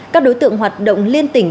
các đối tượng hoạt động liên tỉnh